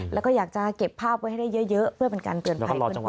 แล้วก็อยากจะเก็บภาพไว้ให้ได้เยอะเพื่อเป็นการเตือนภัยเพื่อน